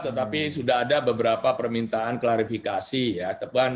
jadi sudah ada beberapa permintaan klarifikasi ya